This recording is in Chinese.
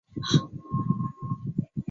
明朝洪武二年降为慈利县。